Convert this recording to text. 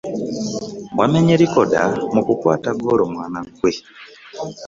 Wamenye likoda mu kukwata ggoolo mwana ggwe.